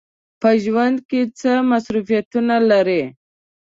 په ژوند کې څه مصروفیتونه لرئ؟